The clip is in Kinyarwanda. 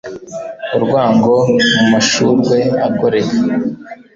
Urwango mumashurwe agoreka